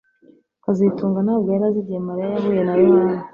kazitunga ntabwo yari azi igihe Mariya yahuye na Yohana